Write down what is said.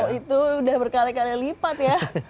oh itu sudah berkali kali lipat ya